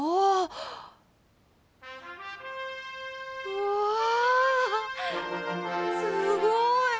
うわすごい！